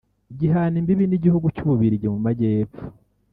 Gihana imbibi n’igihugu cy’Ububiligi mu majyepfo